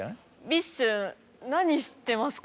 ＢｉＳＨ何知ってますか？